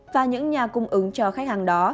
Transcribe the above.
và những nhà cung ứng cho khách hàng đó